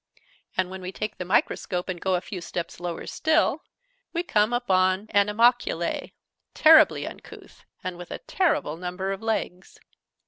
And, when we take the microscope, and go a few steps lower still, we come upon animalculae, terribly uncouth, and with a terrible number of legs!"